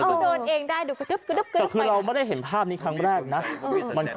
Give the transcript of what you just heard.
แต่คือเราไม่ได้เห็นภาพนี้ครั้งแรกนะ